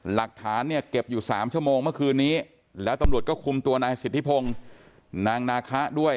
หลักฐานเนี่ยเก็บอยู่๓ชั่วโมงเมื่อคืนนี้แล้วตำรวจก็คุมตัวนายสิทธิพงศ์นางนาคะด้วย